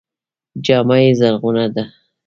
جامه یې زرغونه ده.